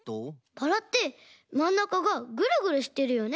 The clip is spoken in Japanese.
バラってまんなかがぐるぐるしてるよね。